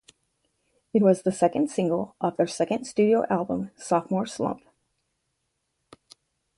It was the second single off their second studio album "Sophomore Slump".